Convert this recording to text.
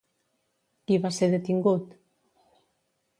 Qui va ser detingut?